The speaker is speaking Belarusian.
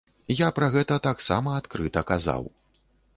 Я пра гэта таксама адкрыта казаў.